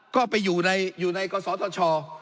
ก็ไปอยู่ในก่อสอทช